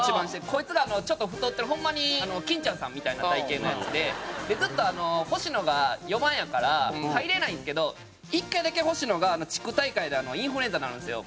こいつがちょっと太ってるホンマに金ちゃんさんみたいな体形のヤツでずっとあの星野が４番やから入れないんですけど１回だけ星野が地区大会でインフルエンザになるんですよ。